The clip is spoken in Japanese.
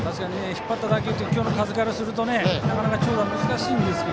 引っ張った打球は今日の打球からするとなかなか長打は難しいですが。